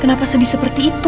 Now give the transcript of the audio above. kenapa sedih seperti itu